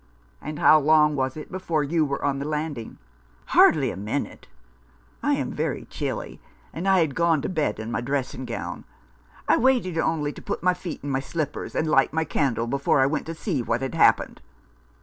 "And how long was it before you were on the landing ?"" Hardly a minute. I am very chilly, and I had gone to bed in my dressing gown. I waited only to put my feet in my slippers and light my candle, before I went to see what had happened.